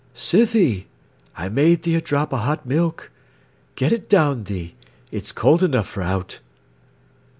"Sithee—I made thee a drop o' hot milk. Get it down thee; it's cold enough for owt."